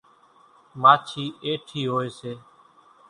ماڇِي ايٺِي هوئيَ سي۔